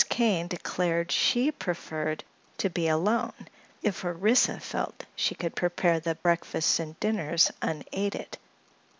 Kane declared she preferred to be alone, if Orissa felt she could prepare the breakfasts and dinners unaided.